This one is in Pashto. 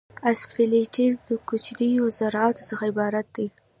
اسفالټین د کوچنیو ذراتو څخه عبارت دی